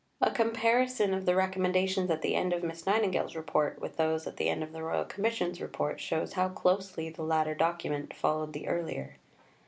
A comparison of the Recommendations at the end of Miss Nightingale's Report with those at the end of the Royal Commission's Report shows how closely the latter document followed the earlier.